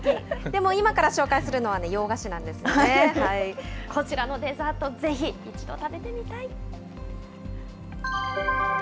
でも今から紹介するのは洋菓子なこちらのデザート、ぜひ、一度食べてみたい。